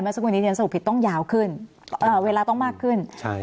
เมื่อสักวันหนึ่งเรียนสรุปผิดต้องยาวขึ้นอ่าเวลาต้องมากขึ้นใช่